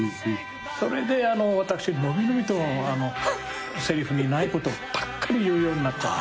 それで私伸び伸びとせりふにないことばっかり言うようになったって。